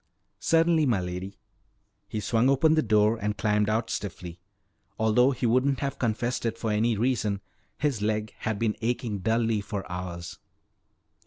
"Certainly, m'lady." He swung open the door and climbed out stiffly. Although he wouldn't have confessed it for any reason, his leg had been aching dully for hours.